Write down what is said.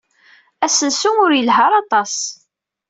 Asensu-a ur yelhi ara aṭas.